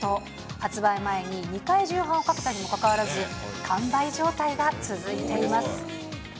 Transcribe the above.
発売前に２回重版をかけたにもかかわらず、完売状態が続いています。